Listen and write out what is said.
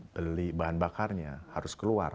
beli bahan bakarnya harus keluar